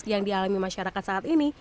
yang dialami masyarakat saat ini